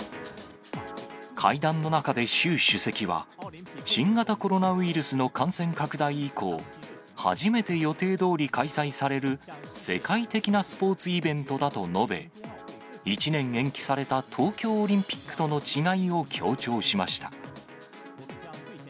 会談の中で習主席は、新型コロナウイルスの感染拡大以降、初めて予定どおり開催される世界的なスポーツイベントだと述べ、１年延期された東京オリンピックとの違いを強調しました。